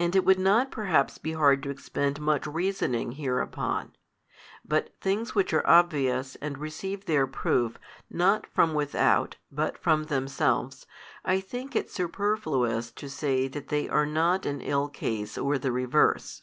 And it would not perhaps be hard to expend much reasoning hereupon: but things which are obvious and receive their proof, not from without, but from themselves, I think it superfluous to say that they are not in ill case or the reverse.